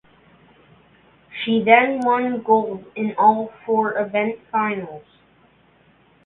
She then won gold in all four event finals.